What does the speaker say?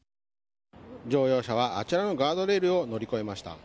乗用車はあちらのガードレールを乗り越えました。